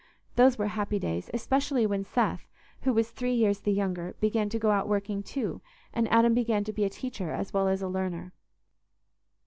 Those were happy days, especially when Seth, who was three years the younger, began to go out working too, and Adam began to be a teacher as well as a learner.